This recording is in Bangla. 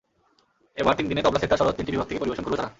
এবার তিন দিনে তবলা, সেতার, সরোদ—তিনটি বিভাগ থেকে পরিবেশন করবে তারা।